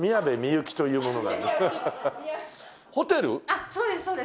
あっそうですそうです。